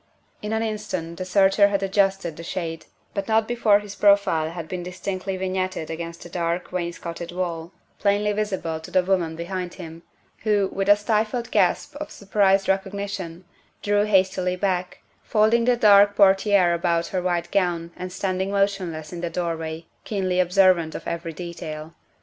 In an instant the searcher had adjusted the shade, but not before his profile had been distinctly vignetted against the dark, wainscoted wall, plainly visible to the 64 THE WIFE OF woman behind him, who, with a stifled gasp of surprised recognition, drew hastily back, folding the dark por tiere about her white gown and standing motionless in the doorway, keenly observant of every detail.